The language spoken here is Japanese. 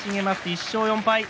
１勝４敗。